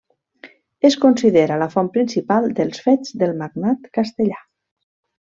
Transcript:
Es considera la font principal dels fets del magnat castellà.